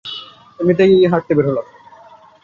এমনিতেই হাটতে বের হলাম।